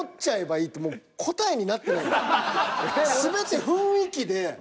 もう全て雰囲気で。